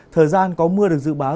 thời gian có mưa được dự báo